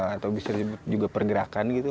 atau bisa disebut juga pergerakan gitu